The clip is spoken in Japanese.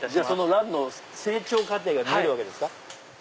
ランの成長過程が見れるわけですか。